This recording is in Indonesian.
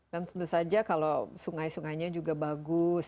dan tentu saja kalau sungai sungainya juga bagus